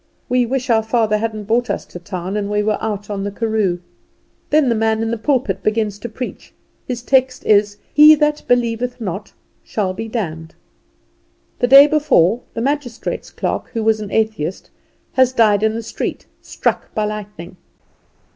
We wish our father hadn't brought us to town, and we were out on the karoo. Then the man in the pulpit begins to preach. His text is "He that believeth not shall be damned." The day before the magistrate's clerk, who was an atheist, has died in the street struck by lightning.